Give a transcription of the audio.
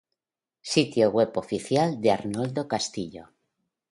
Sitio web oficial de Arnoldo Castillo